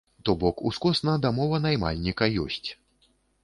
То бок, ускосна дамова наймальніка ёсць.